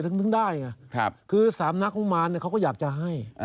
ถึงได้ไงคือสามนักมุมมารเนี่ยเขาก็อยากจะให้